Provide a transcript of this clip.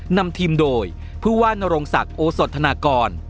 นำทีมโดยผู้ว่านโรงศักดิ์โอสธนากร